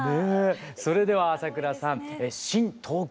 それでは朝倉さん「新・東京」